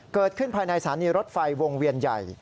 เกิดขึ้นภายในสถานีรถไฟวงเวียนใหญ่